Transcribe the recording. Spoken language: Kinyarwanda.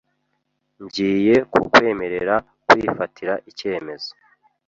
Ngiye kukwemerera kwifatira icyemezo.